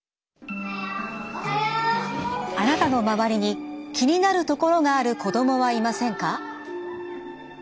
あなたの周りに気になるところがある子どもはいませんか？